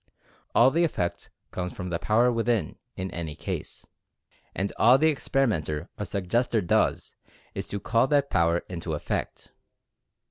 All the effect comes from "the power within" in any case — and all the experimenter or suggestor does is to call that power into effect.